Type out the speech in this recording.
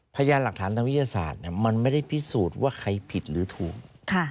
พยานหลักฐานทางวิทยาศาสตร์มันไม่ได้พิสูจน์ว่าใครผิดหรือถูก